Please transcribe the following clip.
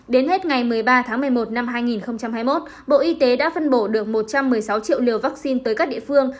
đến hết ngày một mươi ba tháng một mươi một năm hai nghìn hai mươi một bộ y tế đã phân bổ được một trăm một mươi sáu triệu liều vaccine tới các địa phương